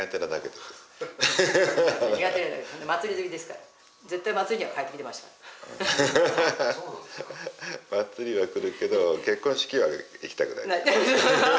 祭りは来るけど結婚式は行きたくない。